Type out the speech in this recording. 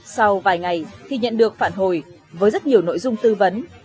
sau vài ngày thì nhận được phản hồi với rất nhiều nội dung tư vấn